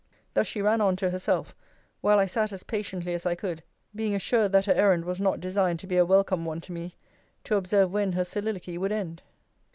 Thus she ran on to herself; while I sat as patiently as I could (being assured that her errand was not designed to be a welcome one to me) to observe when her soliloquy would end.